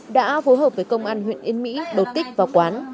đã phối hợp với công an huyện yên mỹ đột kích vào quán